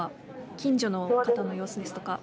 近所の方の様子ですとか。